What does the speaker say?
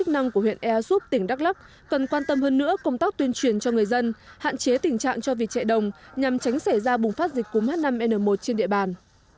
chức năng của huyện ea súp tỉnh đắk lắc cần quan tâm hơn nữa công tác tuyên truyền cho người dân hạn chế tình trạng cho vịt chạy đồng nhằm tránh xảy ra bùng phát dịch cúm h năm n một trên địa bàn